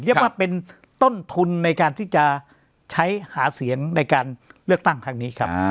เรียกว่าเป็นต้นทุนในการที่จะใช้หาเสียงในการเลือกตั้งครั้งนี้ครับ